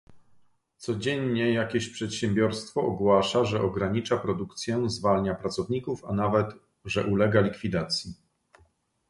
Codziennie jakieś przedsiębiorstwo ogłasza, że ogranicza produkcję, zwalnia pracowników, a nawet, że ulega likwidacji